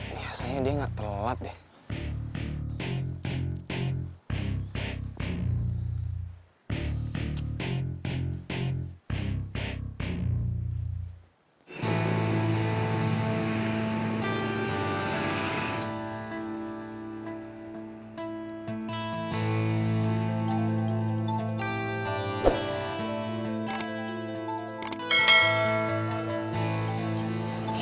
biasanya dia gak telat deh